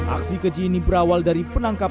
aksi keji ini berawal dari penangkapan